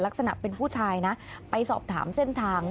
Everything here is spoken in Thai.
ลักษณะเป็นผู้ชายนะไปสอบถามเส้นทาง